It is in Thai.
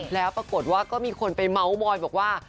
แล้วปรากฏว่าก็มีคนไปเมาส์มอยบอกว่า